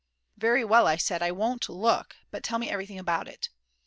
"Very well," I said, "I won't look, but tell me everything about it."